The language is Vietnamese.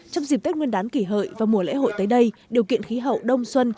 trong dịp tết nguyên đán kỷ hợi và mùa lễ hội tới đây điều kiện khí hậu đông xuân